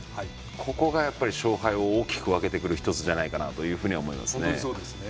ここが勝敗を大きく分けてくる１つじゃないかなと思います。